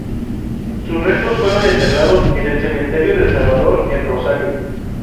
Sus restos fueron enterrados en el Cementerio del Salvador, en Rosario.